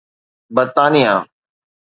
برطانيه